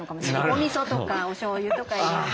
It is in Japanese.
おみそとかおしょうゆとかいろいろ。